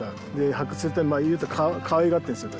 発掘って言ったらかわいがってるんですよ